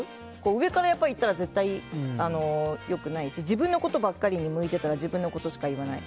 上からいったら絶対によくないし自分のことばかり向いてたら自分のことしか言わない。